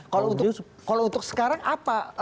kalau untuk sekarang apa